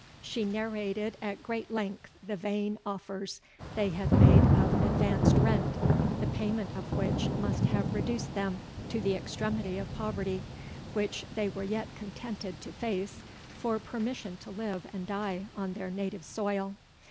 She narrated at great length the vain offers they had made of advanced rent, the payment of which must have reduced them to the extremity of poverty, which they were yet contented to face, for permission to live and die on their native soil.